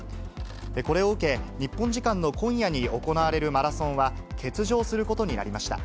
これを受け、日本時間の今夜に行われるマラソンは、欠場することになりました。